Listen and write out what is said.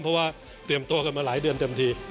เพราะว่าเตรียมตัวกันมาหลายเดือนเต็มที